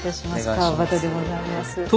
川端でございます。